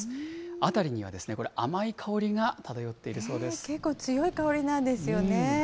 辺りには、甘い香りが漂っている結構強い香りなんですよね。